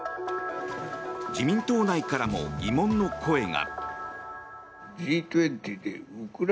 自民党内からも疑問の声が。